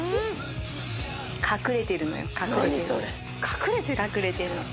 隠れてるの。